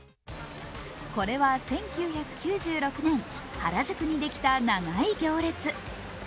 これは１９９６年、原宿にできた長い行列。